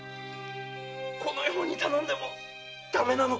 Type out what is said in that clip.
このように頼んでもダメなのか？